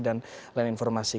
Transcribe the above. dan lain informasi